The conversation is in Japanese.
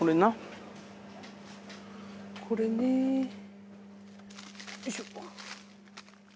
これねよいしょ。